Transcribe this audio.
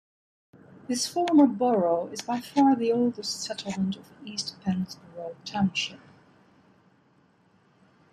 This former borough is by far the oldest settlement of East Pennsboro Township.